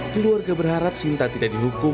keluarga berharap sinta tidak dihukum